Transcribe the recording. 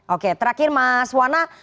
oke terakhir mas wana